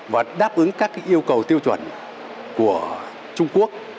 và đáp ứng các yêu cầu tiêu chuẩn của trung quốc